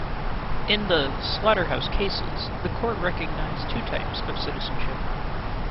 In the "Slaughter-House Cases" the court recognized two types of citizenship.